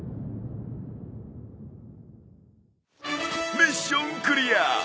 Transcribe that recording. ミッションクリア！